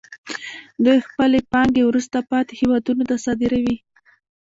دوی خپلې پانګې وروسته پاتې هېوادونو ته صادروي